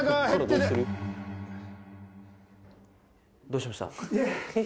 どうしました？